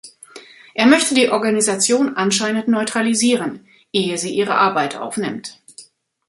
Er möchte die Organisation anscheinend neutralisieren, ehe sie ihre Arbeit aufnimmt.